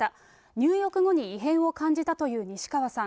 入浴後に異変を感じたという西川さん。